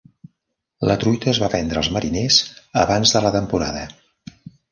La truita es va vendre als mariners abans de la temporada.